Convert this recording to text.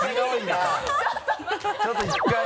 ちょっと１回。